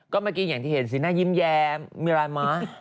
ก็เมื่อกี้อย่างที่เห็นสีหน้ายิ้มแย้มมีอะไรม้า